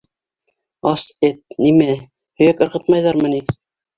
Ас эт. Нимә, һөйәк ырғытмайҙармы ни?